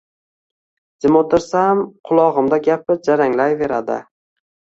jim oʼtirsam, qulogʼimda gapi jaranglayveradi.